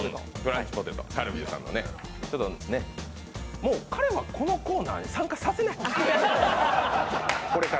もう彼はこのコーナーに参加させない、これから。